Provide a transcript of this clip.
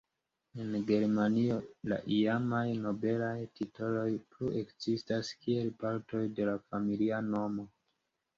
En Germanio la iamaj nobelaj titoloj plu ekzistas kiel partoj de la familia nomo.